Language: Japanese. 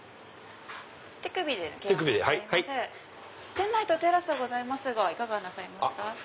店内とテラスがございますがいかがなさいますか？